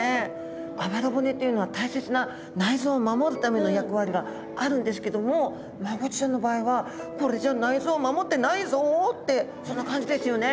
あばら骨っていうのは大切な内臓を守るための役割があるんですけどもマゴチちゃんの場合はこれじゃ内臓を守ってないぞうってそんな感じですよね。